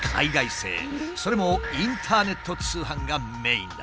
それもインターネット通販がメインだ。